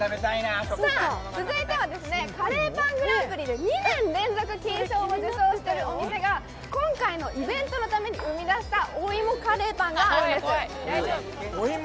続いてはカレーパングランプリで２年連続金賞を受賞しているお店が今回のイベントのために生み出したお芋カレーパンがあるんです。